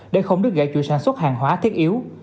để không được gãy chủ sản xuất hàng hóa thiết yếu